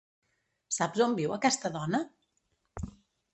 Saps on viu aquesta dona?